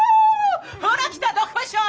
ほらきたどっこいしょ！